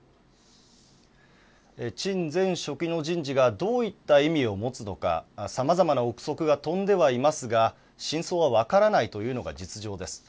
陳前書記の人事がどういった意味を持つのかさまざまな臆測が飛んではいますが真相は分からないというのが実情です。